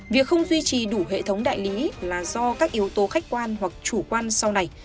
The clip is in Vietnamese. việc không duy trì đủ hệ thống đại lý là do các yếu tố khách quan hoặc chủ quan sau này